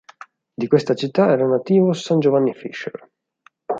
Di questa città era nativo san Giovanni Fisher.